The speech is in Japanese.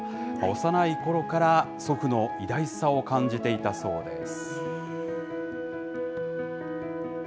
幼いころから、祖父の偉大さを感じていたそうです。